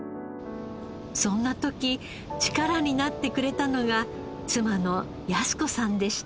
そんな時力になってくれたのが妻の靖子さんでした。